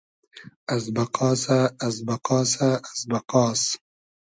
از بئقاسۂ از بئقاسۂ از بئقاس